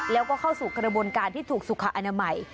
แล้วก็เข้าสู่กระบวนการที่ถูกสุขอนามัย